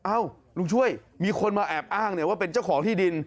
อ้าวลุงช่วยมีคนมาแอบอ้างว่าเป็นเจ้าของที่ดิน